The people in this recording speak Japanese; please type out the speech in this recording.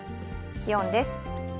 気温です。